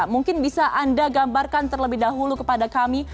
mungkin bisa anda gambarkan terlebih dahulu kepada kami